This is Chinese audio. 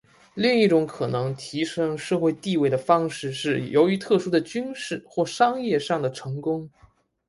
另一种可能提升社会地位的方式是由于特殊的军事或商业上的成功。